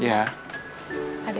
terima kasih juga bapak ibu